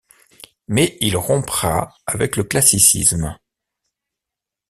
Mais il rompra avec le classicisme.